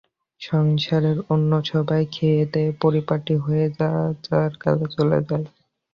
সংসারের অন্য সবাই খেয়েদেয়ে পরিপাটি হয়ে যার যার কাজে চলে যায়।